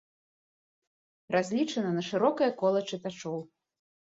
Разлічана на шырокае кола чытачоў.